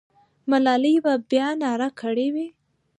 ملالۍ به بیا ناره کړې وي.